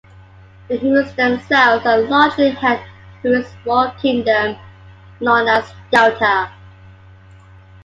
The humans themselves are largely hemmed in to a small Kingdom known as Delta.